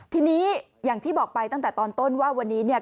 ทีนี้อย่างที่บอกไปตั้งแต่ตอนต้นว่าวันนี้เนี่ย